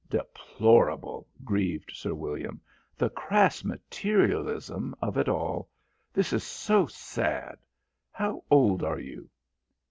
"Deplorable," grieved Sir William. "The crass materialism of it all. This is so sad. How old are you?"